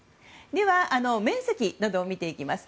では、面積などを見ていきます。